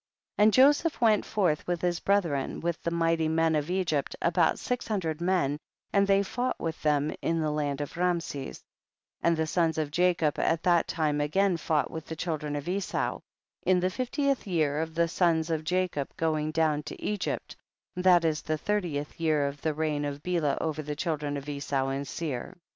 1 8. And Joseph went forth with his brethren with the mighty men of Egypt, about six hundred men, and they fought with them in the land of Raamses ; and the sons of Jacob at that time again fought with the chil dren of Esau, in the fiftieth year of the sons of Jacob going down to Egypt, that is the thirtieth year of the reign of Bela over the children of Esau in Seir.